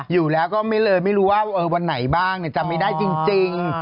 อยู่แล้วก็ไม่เลยไม่รู้ว่าวันไหนบ้างจำไม่ได้จริง